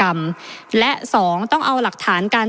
ประเทศอื่นซื้อในราคาประเทศอื่น